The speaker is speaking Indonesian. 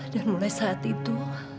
dan mulai saat itu